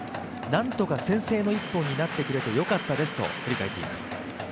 なんとか先制の１本になってくれてよかったですと振り返っています。